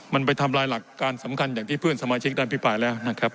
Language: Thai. มันไปทำลายหลักการสำคัญอย่างที่เพื่อนสมาชิกได้พิปรายแล้วนะครับ